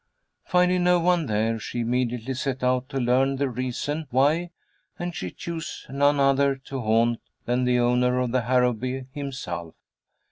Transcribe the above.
Finding no one there, she immediately set out to learn the reason why, and she chose none other to haunt than the owner of the Harrowby himself.